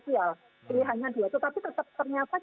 pilihannya dia tetapi ternyata